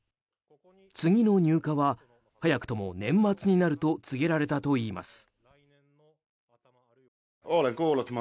次の入荷は早くとも年末になると告げられたといいます。